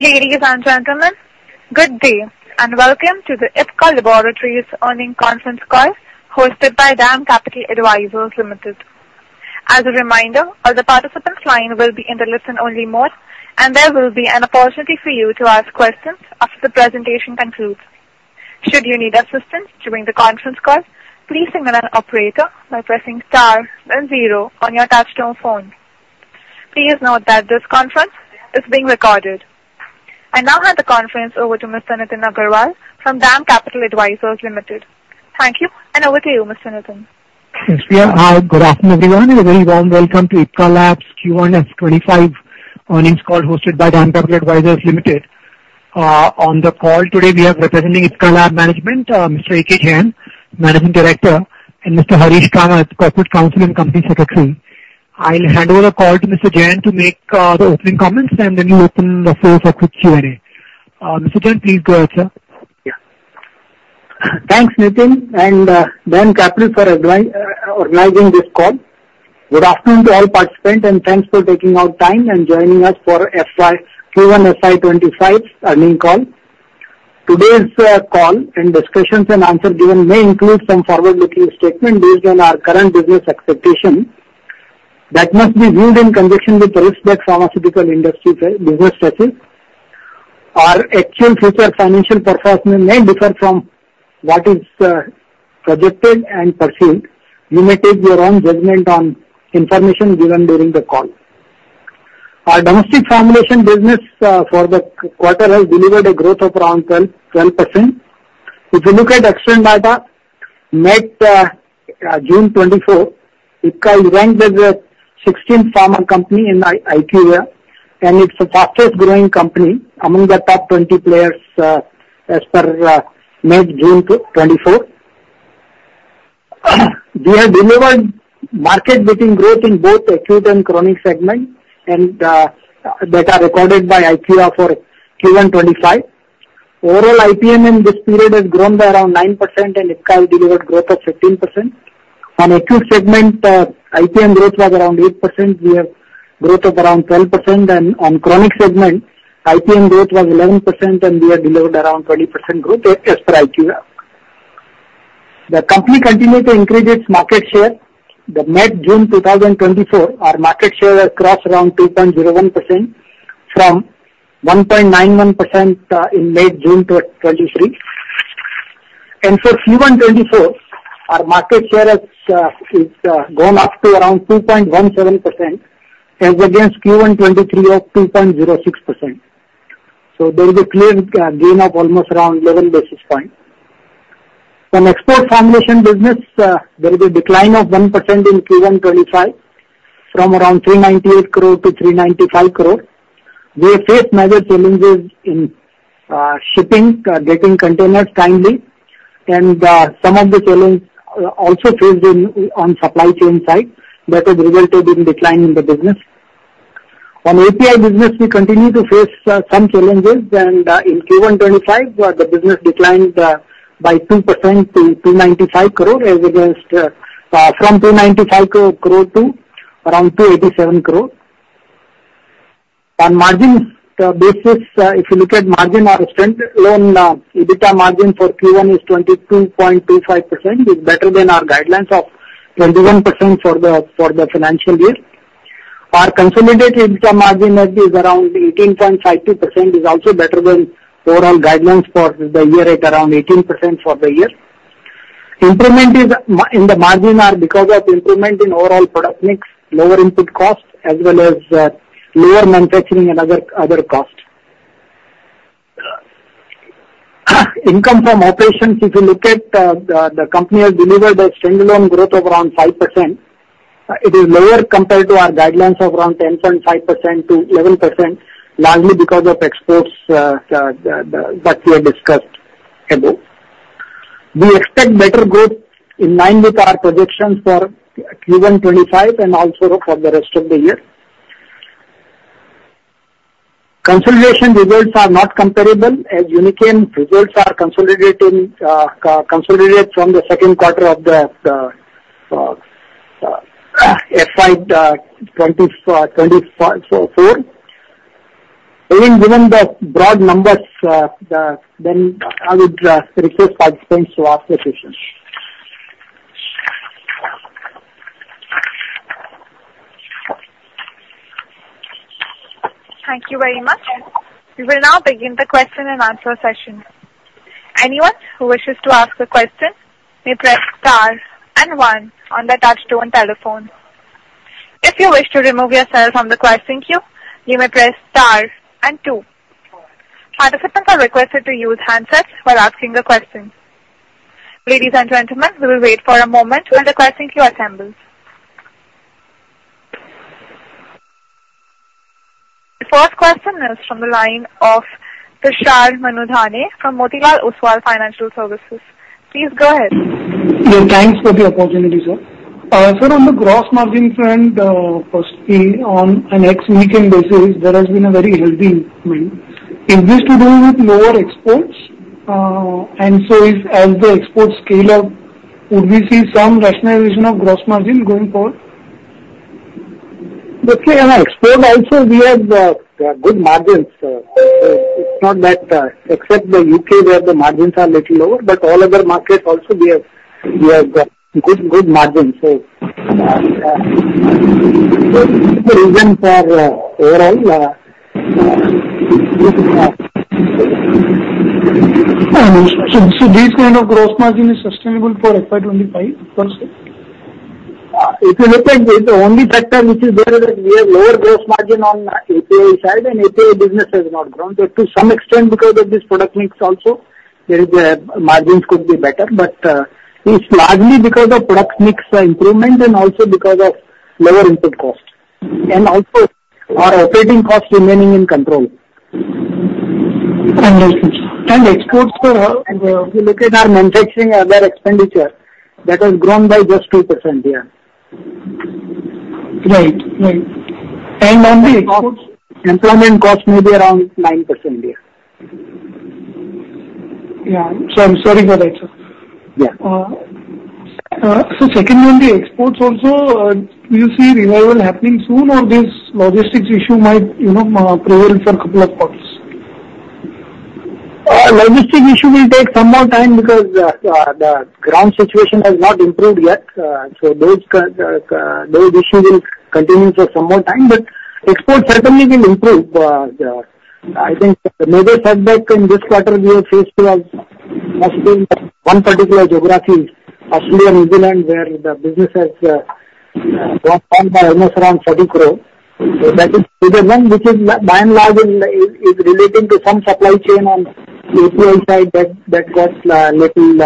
Ladies and gentlemen, good day, and welcome to the Ipca Laboratories Earnings Conference Call, hosted by DAM Capital Advisors Limited. As a reminder, all participants' lines will be in listen-only mode, and there will be an opportunity for you to ask questions after the presentation concludes. Should you need assistance during the conference call, please signal an operator by pressing star then zero on your touchtone phone. Please note that this conference is being recorded. I now hand the conference over to Mr. Nitin Agarwal from DAM Capital Advisors Limited. Thank you, and over to you, Mr. Nitin. Yes, we are. Good afternoon, everyone, and a very warm welcome to Ipca Labs Q1 FY25 Earnings Call, hosted by DAM Capital Advisors Limited. On the call today, we have representing Ipca Lab management, Mr. A.K. Jain, managing director, and Mr. Harish P. Kamath as corporate counsel and company secretary. I'll hand over the call to Mr. Jain to make the opening comments, and then we open the floor for quick Q&A. Mr. Jain, please go ahead, sir. Yeah. Thanks, Nitin, and DAM Capital for organizing this call. Good afternoon to all participants, and thanks for taking out time and joining us for FY Q1 FY25 Earnings Call. Today's call and discussions and answer given may include some forward-looking statement based on our current business expectation that must be viewed in conjunction with risks that pharmaceutical industry business faces. Our actual future financial performance may differ from what is projected and perceived. You may take your own judgment on information given during the call. Our domestic formulation business for the quarter has delivered a growth of around 12%. If you look at external data, mid-June 2024, Ipca ranked as the 16th pharma company in IQVIA, and it's the fastest growing company among the top 20 players, as per mid-June 2024. We have delivered market-leading growth in both acute and chronic segment, and data recorded by IQVIA for Q1 2025. Overall, IPM in this period has grown by around 9%, and Ipca delivered growth of 13%. On acute segment, IPM growth was around 8%.We have growth of around 12%, and on chronic segment, IPM growth was 11%, and we have delivered around 20% growth as per IQVIA. The company continued to increase its market share. In mid-June 2024, our market share has crossed around 2.01% from 1.91% in mid-June 2023 And for Q1 2024, our market share has gone up to around 2.17%, as against Q1 2023 of 2.06%. So there is a clear gain of almost around 11 basis points. From export formulation business, there is a decline of 1% in Q1 2025, from around 398 crore-395 crore. We face major challenges in, shipping, getting containers timely, and, some of the challenge, also faced in, on supply chain side. That has resulted in decline in the business. On API business, we continue to face, some challenges, and, in Q1 2025, the business declined, by 2% to 295 crore, as against, from 295 crore to around 287 crore. On margins, basis, if you look at margin, our standalone, EBITDA margin for Q1 is 22.25%, is better than our guidelines of 21% for the, for the financial year. Our consolidated EBITDA margin might be around 18.52%, is also better than overall guidelines for the year, at around 18% for the year. Improvement in the margins are because of improvement in overall product mix, lower input costs, as well as lower manufacturing and other costs. Income from operations, if you look at, the company has delivered a standalone growth of around 5%. It is lower compared to our guidelines of around 10.5%-11%, largely because of exports that we have discussed above. We expect better growth in line with our projections for Q1 2025 and also for the rest of the year. Consolidation results are not comparable, as Unichem results are consolidated from the second quarter of the FY 2024. I mean, given the broad numbers, then I would request participants to ask their questions. Thank you very much. We will now begin the question-and-answer session. Anyone who wishes to ask a question may press Star and one on their touchtone telephone. If you wish to remove yourself from the question queue, you may press Star and two. Participants are requested to use handsets while asking the questions. Ladies and gentlemen, we will wait for a moment while the question queue assembles. The first question is from the line of Tushar Manudhane from Motilal Oswal Financial Services. Please go ahead. Yeah, thanks for the opportunity, sir. Sir, on the gross margin front, firstly, on an ex-Unichem basis, there has been a very healthy improvement. Is this to do with lower exports? And so if as the exports scale up, would we see some rationalization of gross margin going forward? Okay, on export also we have good margins. So it's not that, except the U.K., where the margins are little lower, but all other markets also we have, we have got good, good margins. So the reason for overall, So, these kind of gross margin is sustainable for FY25 also? If you look at the only factor which is there, that we have lower gross margin on API side, and API business has not grown. But to some extent, because of this product mix also, there is a margins could be better, but, it's largely because of product mix improvement and also because of lower input cost and also our operating costs remaining in control. Understood. And exports, so if you look at our manufacturing other expenditure, that has grown by just 2% year. Right. Right. And on the exports- Employment cost may be around 9% year. Yeah. So I'm sorry for that, sir. Yeah. Secondly, on the exports also, do you see revival happening soon, or this logistics issue might, you know, prevail for a couple of quarters? Logistic issue will take some more time because the ground situation has not improved yet. So those issues will continue for some more time, but export certainly will improve. I think the major setback in this quarter we have faced was, must be, one particular geography, Australia, New Zealand, where the business has dropped down by almost around 30 crore. So that is the one which by and large is relating to some supply chain on the API side that got little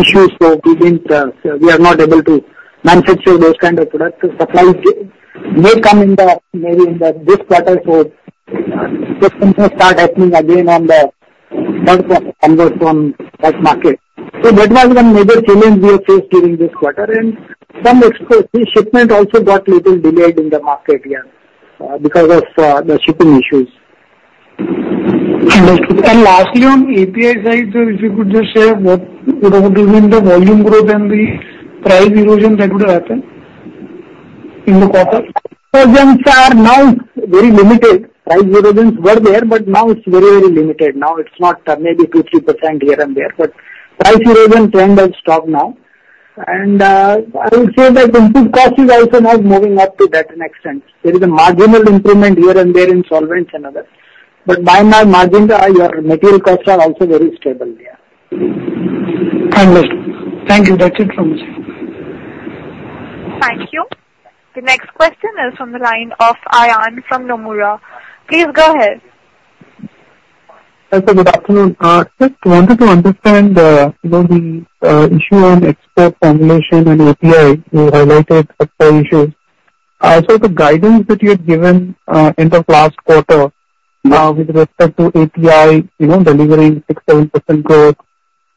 issues. So we didn't, we are not able to manufacture those kind of products. The supplies may come in, maybe in this quarter, so systems will start happening again on the third quarter on those from that market. So that was the major challenge we have faced during this quarter. Some exports, the shipment also got little delayed in the market, yeah, because of the shipping issues. Understood. And lastly, on API side, so if you could just say, what would have been the volume growth and the price erosion that would happen in the quarter? Price erosions are now very limited. Price erosions were there, but now it's very, very limited. Now it's not, maybe 2%-3% here and there, but price erosion trend has stopped now. And, I will say that input cost is also not moving up to that extent. There is a marginal improvement here and there in solvents and others, but by and large, margins are, your material costs are also very stable, yeah. Understood. Thank you. That's it from me. Thank you. The next question is from the line of Ayan from Nomura. Please go ahead. Hi, sir. Good afternoon. Just wanted to understand, you know, the issue on export formulation and API, you highlighted a few issues. Also, the guidance that you had given, end of last quarter, with respect to API, you know, delivering 6%-7% growth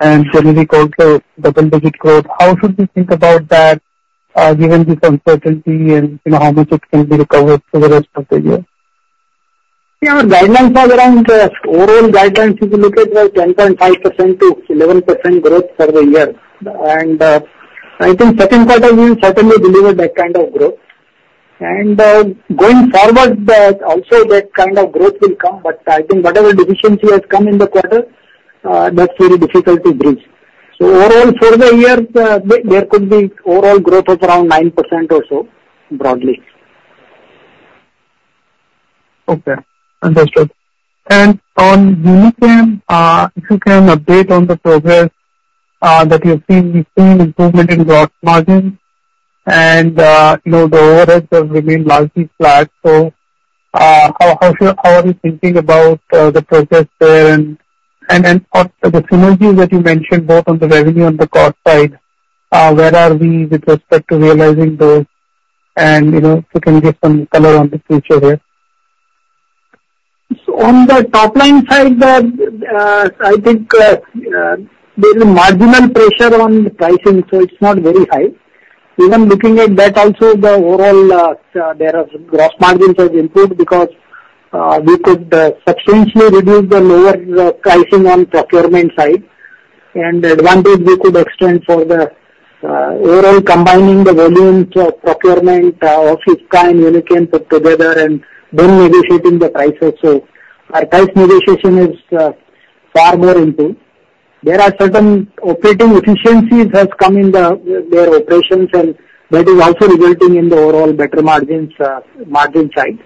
and generic also double-digit growth. How should we think about that, given this uncertainty and you know, how much it can be recovered for the rest of the year? Yeah, our guidelines are around, overall guidelines, if you look at were 10.5%-11% growth for the year. And, I think second quarter, we certainly delivered that kind of growth. And, going forward, that also that kind of growth will come, but I think whatever deficiency has come in the quarter, that's very difficult to bridge. So overall, for the year, there, there could be overall growth of around 9% or so, broadly. Okay, understood. And on Unichem, if you can update on the progress that you've seen. We've seen improvement in gross margins and, you know, the overheads have remained largely flat. So, how are you thinking about the progress there and the synergies that you mentioned, both on the revenue and the cost side, where are we with respect to realizing those? And, you know, if you can give some color on the future there. So on the top-line side, the, I think, there is a marginal pressure on pricing, so it's not very high. Even looking at that also, the overall, there is gross margins has improved because, we could, substantially reduce the lower pricing on procurement side. And advantage we could extend for the, overall combining the volumes of procurement, of Ipca and Unichem put together and then negotiating the prices. So our price negotiation is, far more improved. There are certain operating efficiencies has come in the, their operations, and that is also resulting in the overall better margins, margin side.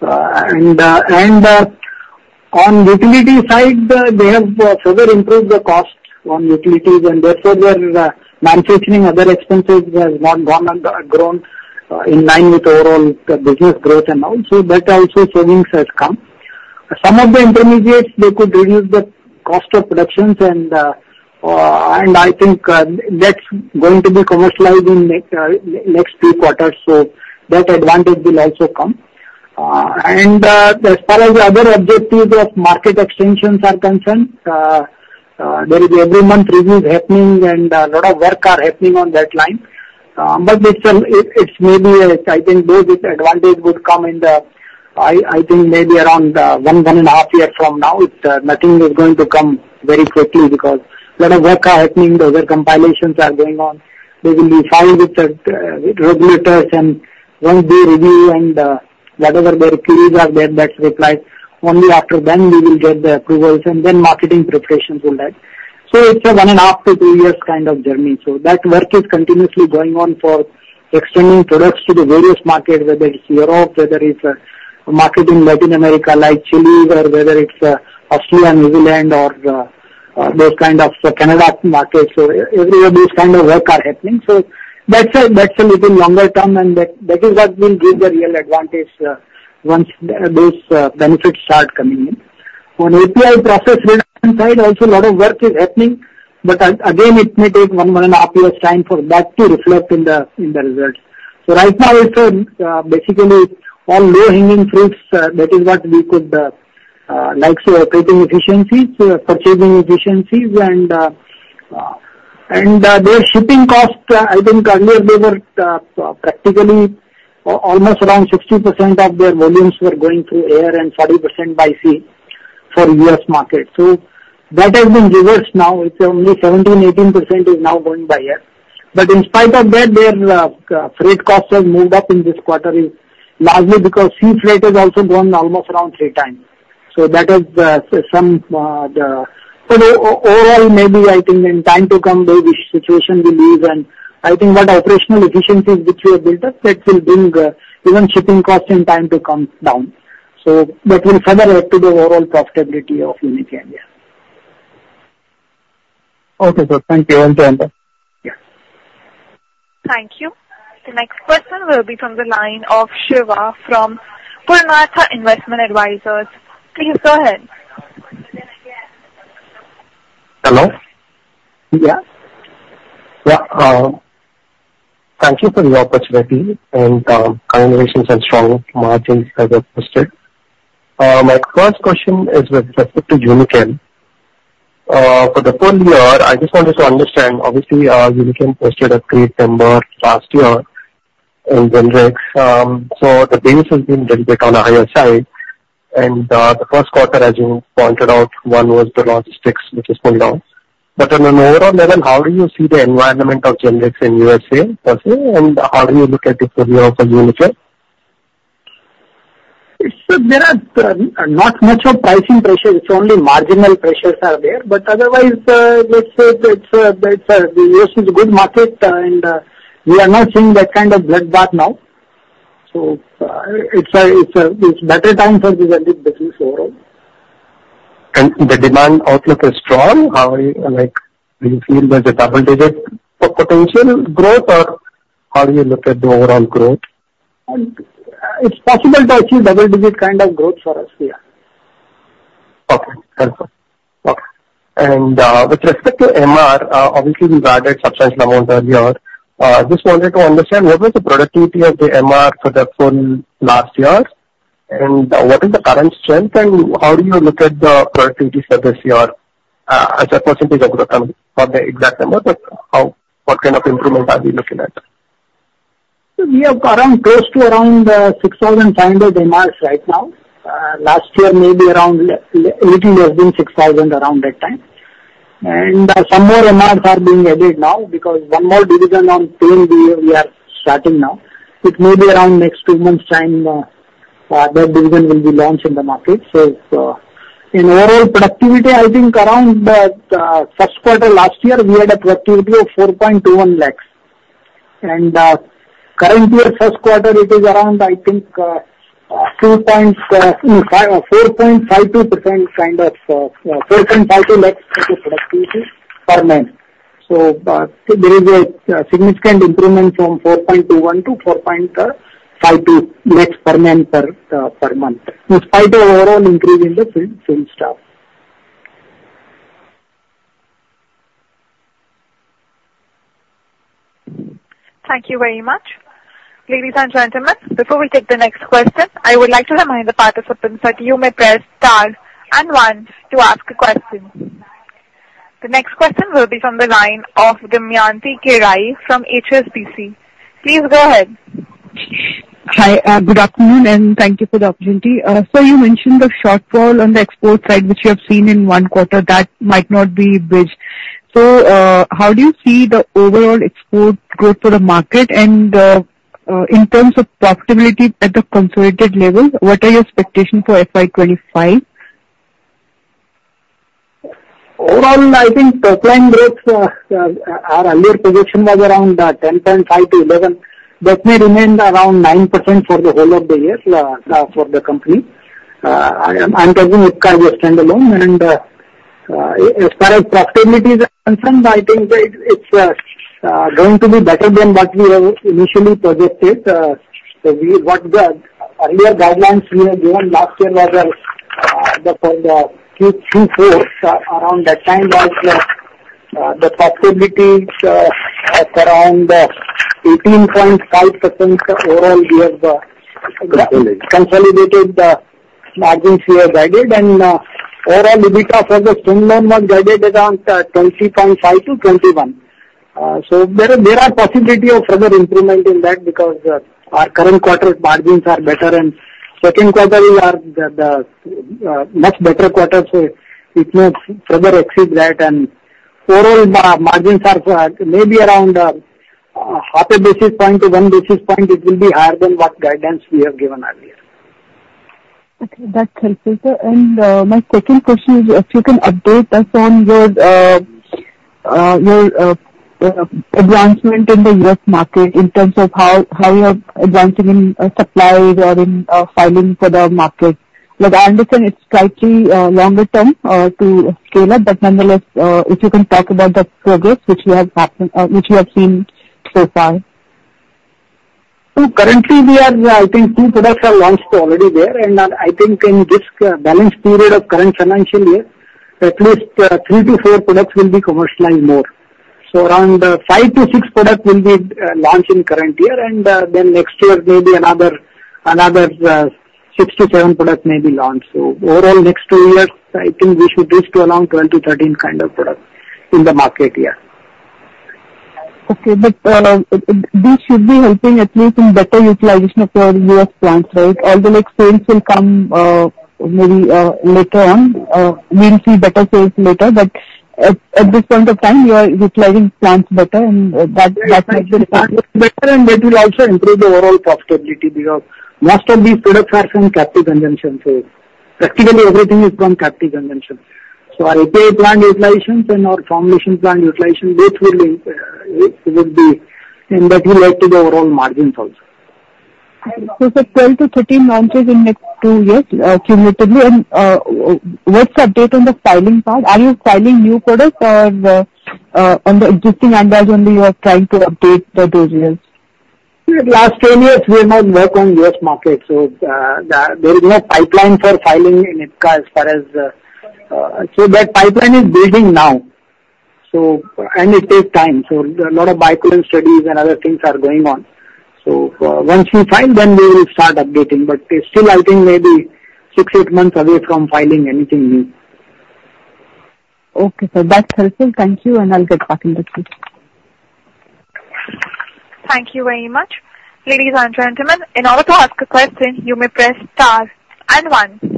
And on utility side, they have further improved the cost on utilities, and therefore, their manufacturing, other expenses has not gone under, grown, in line with overall business growth and all. So that also savings has come. Some of the intermediates, they could reduce the cost of productions and I think that's going to be commercialized in next two quarters. So that advantage will also come. And as far as the other objectives of market extensions are concerned, there is every month reviews happening and a lot of work are happening on that line. But it's maybe a, I think those advantage would come in the... I think maybe around one and a half year from now. It's nothing is going to come very quickly because a lot of work are happening, the other compilations are going on. They will be filed with regulators, and once they review and whatever their queries are there, that's replied. Only after then we will get the approvals, and then marketing preparations will lag. So it's a 1.5-2 years kind of journey. So that work is continuously going on for extending products to the various markets, whether it's Europe, whether it's a market in Latin America, like Chile, or whether it's Australia, New Zealand or those kind of Canada markets. So everywhere, those kind of work are happening. So that's a little longer term, and that is what will give the real advantage once those benefits start coming in. On API process reduction side, also a lot of work is happening, but again, it may take 1-1.5 years time for that to reflect in the results. So right now, it's basically all low-hanging fruits. That is what we could like is creating efficiencies, purchasing efficiencies and their shipping costs. I think earlier they were practically almost around 60% of their volumes were going through air and 40% by sea for US market. So that has been reversed now. It's only 17%-18% is now going by air. But in spite of that, their freight costs have moved up in this quarter, largely because sea freight has also grown almost around 3 times. So that is somewhat but overall, maybe I think in time to come, maybe situation will ease. And I think what operational efficiencies which we have built up, that will bring even shipping costs in time to come down. So that will further help to the overall profitability of Unichem India. Okay, sir. Thank you. I will stand by. Yeah. Thank you. The next person will be from the line of Shiva from Purnartha Investment Advisers. Please go ahead. Hello? Yeah. Yeah, thank you for the opportunity and, congratulations on strong margins as you've posted. My first question is with respect to Unichem. For the full year, I just wanted to understand, obviously, Unichem posted a great number last year in generics. So the base has been little bit on the higher side, and, the first quarter, as you pointed out, one was the logistics, which is going down. But on an overall level, how do you see the environment of generics in USA per se, and how do you look at it for the year of Unichem? There are not much pricing pressure. It's only marginal pressures are there. But otherwise, let's say the U.S. is a good market, and we are not seeing that kind of bloodbath now. So, it's a better time for the generic business overall. The demand outlook is strong? How are you, like, do you feel there's a double-digit potential growth or how do you look at the overall growth? It's possible to achieve double-digit kind of growth for us, yeah. Okay. Perfect. Okay. And, with respect to MR, obviously we've added substantial amount earlier. Just wanted to understand, what was the productivity of the MR for the full last year? And what is the current strength, and how do you look at the productivity for this year, as a percentage of the company for the exact number, but how—what kind of improvement are we looking at? We have around, close to around, 6,500 MRs right now. Last year, maybe around 800 less than 6,000 around that time. Some more MRs are being added now, because one more division on team we are, we are starting now. It may be around next two months' time, that division will be launched in the market. So in overall productivity, I think around, the, first quarter last year, we had a productivity of 4.21 lakhs. Current year, first quarter, it is around, I think, two points, 4.52% kind of, 4.52 lakhs is the productivity per month. There is a significant improvement from 4.21 lakhs-4.52 lakhs per month, per month, despite the overall increase in the same, same staff. Thank you very much. Ladies and gentlemen, before we take the next question, I would like to remind the participants that you may press star and one to ask a question. The next question will be from the line of Damayanti Kerai from HSBC. Please go ahead. Hi, good afternoon, and thank you for the opportunity. So you mentioned the shortfall on the export side, which you have seen in one quarter, that might not be bridged. So, how do you see the overall export growth for the market? And, in terms of profitability at the consolidated level, what are your expectations for FY25? Overall, I think top line growth, our earlier position was around 10.5-11. That may remain around 9% for the whole of the year, for the company. I'm telling you, we stand alone. As far as profitability is concerned, I think that it's going to be better than what we have initially projected. So we, what the earlier guidelines we have given last year was, for the Q4, around that time was, the profitability, of around 18.5% overall years. Consolidated.Consolidated margins we have guided. And overall, EBITDA for the full year was guided around 20.5%-21%. So there are possibility of further improvement in that, because our current quarter margins are better, and second quarter, we are the much better quarter, so it may further exceed that. And overall, margins are maybe around 0.5-1 basis point, it will be higher than what guidance we have given earlier. Okay, that's helpful, sir. My second question is, if you can update us on your advancement in the US market, in terms of how you are advancing in supplies or in filing for the market. Look, I understand it's slightly longer term to scale up, but nonetheless, if you can talk about the progress which we have happened, which we have seen so far. So currently we are, I think two products are launched already there, and I think in this, balance period of current financial year, at least, 3-4 products will be commercialized more. So around 5-6 products will be, launched in current year, and, then next year, maybe another, another, 6-7 products may be launched. So overall, next two years, I think we should reach to around 12-13 kind of products in the market here. Okay. But, this should be helping at least in better utilization of your US plants, right? Although, like, sales will come, maybe, later on. We'll see better sales later, but at this point of time, you are utilizing plants better, and, that makes it- Better, and that will also improve the overall profitability, because most of these products are from captive consumption. So practically everything is from captive consumption. So our API plant utilization and our formulation plant utilization, both will. And that will add to the overall margins also. So the 12-13 launches in next two years, cumulatively, and, what's the update on the filing part? Are you filing new products or, on the existing ANDAs only you are trying to update the details? Last 10 years, we have not worked on US market, so, there is no pipeline for filing in Ipca as far as... So that pipeline is building now, so, and it takes time. So a lot of bioequivalence studies and other things are going on. So, once we file, then we will start updating, but still, I think maybe 6-8 months away from filing anything new. Okay, sir. That's helpful. Thank you, and I'll get back in touch with you. Thank you very much. Ladies and gentlemen, in order to ask a question, you may press Star and One.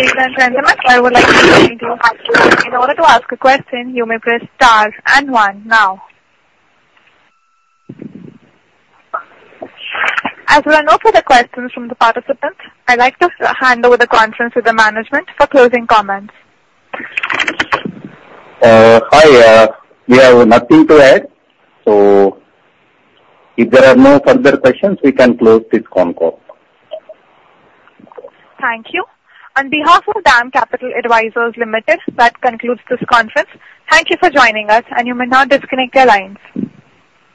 Ladies and gentlemen, I would like to thank you. In order to ask a question, you may press Star and One now. As there are no further questions from the participants, I'd like to hand over the conference to the management for closing comments. Hi. We have nothing to add, so if there are no further questions, we can close this con call. Thank you. On behalf of Dam Capital Advisors Limited, that concludes this conference. Thank you for joining us, and you may now disconnect your lines.